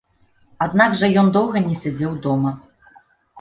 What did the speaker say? Аднак жа ён доўга не сядзеў дома.